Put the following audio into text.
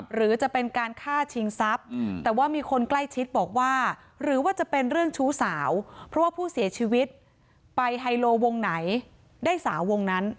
หรือจะเป็นการฆ่าชิงทรัพย์แต่ว่ามีคนใกล้ชิดบอกว่าหรือว่าจะเป็นเรื่องชู้สาวเพราะว่าผู้เสียชีวิตไปไฮโลวงไหนได้สาววงนั้น